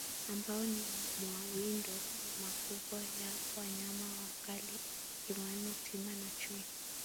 Ambao ni mawindo makubwa ya wanyama wakali wakiwemo Simba na Chui